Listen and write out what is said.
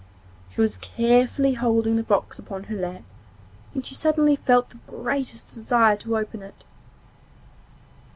She was carefully holding the box upon her lap when she suddenly felt the greatest desire to open it.